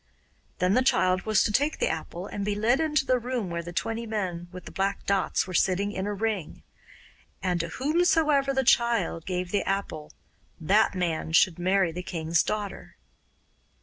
Then the child was to take the apple and be led into a room where the twenty men with the black dots were sitting in a ring. And to whomsoever the child gave the apple, that man should marry the king's daughter.